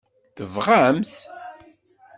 Tebɣam-t?